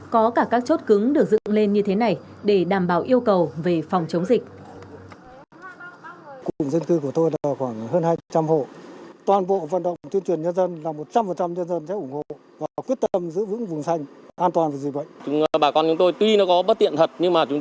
có cả các chốt cứng được dựng lên như thế này để đảm bảo yêu cầu về phòng chống dịch